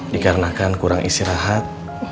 dikarenakan kurang istirahat